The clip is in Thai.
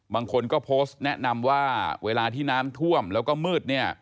บางคนก็โพสต์แนะนำว่าเวลาที่น้ำท่วมแล้วก็มืดเนี่ย